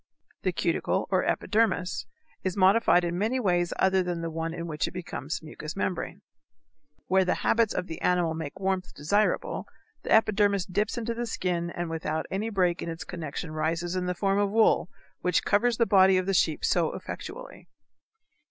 The cuticle, or epidermis, is modified in many other ways than the one in which it becomes mucous membrane. Where the habits of the animal make warmth desirable the epidermis dips into the skin and without any break in its connection rises in the form of wool, which covers the body of the sheep so effectually.